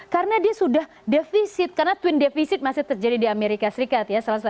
karena dia sudah defisit karena twin defisit masih terjadi di amerika serikat ya